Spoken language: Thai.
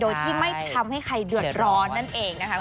โดยที่ไม่ทำให้ใครเดือดร้อนนั่นเองนะคะ